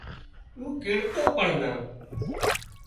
اوۯکتو پڻ نا